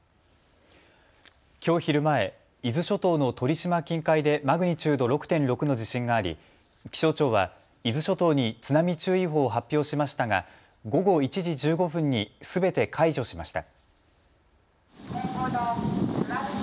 きょう昼前、伊豆諸島の鳥島近海でマグニチュード６．６の地震があり気象庁は伊豆諸島に津波注意報を発表しましたが午後１時１５分にすべて解除しました。